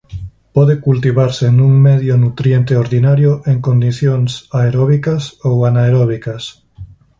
Pode cultivarse nun medio nutriente ordinario en condicións aeróbicas ou anaeróbicas.